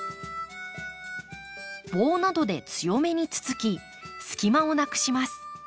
棒などで強めにつつき隙間をなくします。